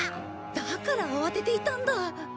だから慌てていたんだ。